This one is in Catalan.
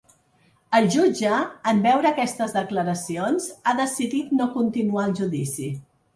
El jutge en veure aquestes declaracions ha decidit no continuar el judici.